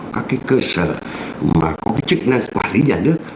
các cái cơ sở mà có cái chức năng quản lý nhà nước